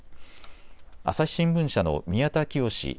朝日新聞社の宮田喜好